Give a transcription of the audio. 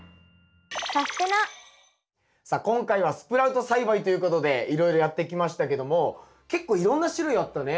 さあ今回はスプラウト栽培ということでいろいろやってきましたけども結構いろんな種類あったね。